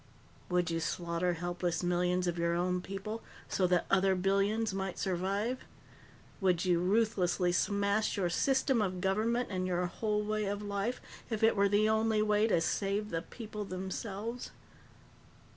"Would you slaughter helpless millions of your own people so that other billions might survive? Would you ruthlessly smash your system of government and your whole way of life if it were the only way to save the people themselves?"